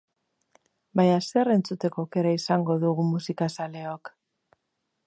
Baina zer entzuteko aukera izango dugu musikazaleok?